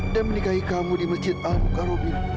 dan menikahi kamu di masjid al bukharobin